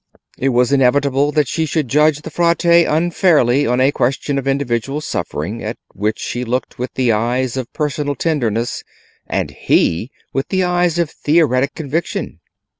It was inevitable that she should judge the Frate unfairly on a question of individual suffering, at which she looked with the eyes of personal tenderness, and he with the eyes of theoretic conviction.